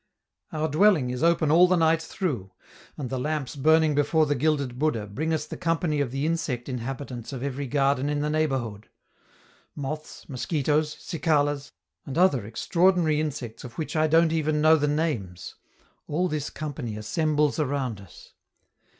Our dwelling is open all the night through, and the lamps burning before the gilded Buddha bring us the company of the insect inhabitants of every garden in the neighborhood. Moths, mosquitoes, cicalas, and other extraordinary insects of which I don't even know the names all this company assembles around us.